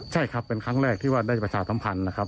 ใช่ครับเป็นครั้งแรกที่ว่าได้ประชาธรรมพันธุ์